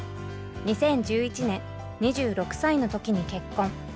２０１１年２６歳の時に結婚。